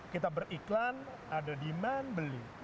kita beriklan ada demand beli